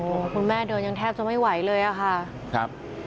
โหคุณแม่เดินยังแทบจะไม่ไหวเลยอะค่ะ